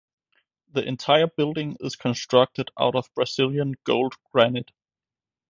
The entire building is constructed out of Brazilian gold granite.